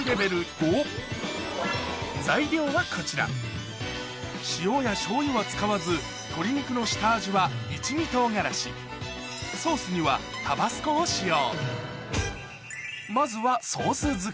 ５材料はこちら塩やしょうゆは使わず鶏肉の下味は一味唐辛子ソースにはタバスコを使用